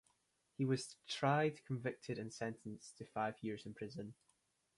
He was tried, convicted and sentenced to five years in prison.